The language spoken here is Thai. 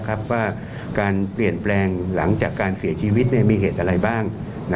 ว่าการเปลี่ยนแปลงหลังจากการเสียชีวิตมีเหตุอะไรบ้าง